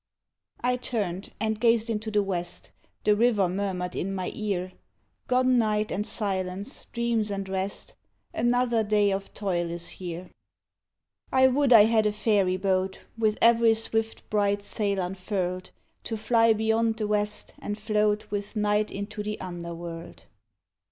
I turned and gazed into the west, The river murmured in my ear 'Gone night, and silence, dreams and rest, Another day of toil is here.' I would I had a fairy boat, With every swift bright sail unfurled, To fly beyond the west, and float With night into the under world.